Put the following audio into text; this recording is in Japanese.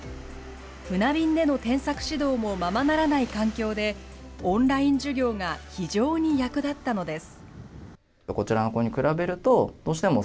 船便での添削指導もままならない環境で、オンライン授業が非常に役立ったのです。